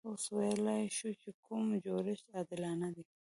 اوس ویلای شو چې کوم جوړښت عادلانه دی.